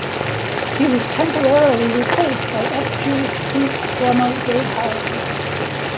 He was temporarily replaced by ex-Judas Priest drummer Dave Holland.